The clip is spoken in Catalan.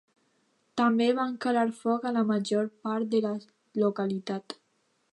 També van calar foc a la major part de la localitat.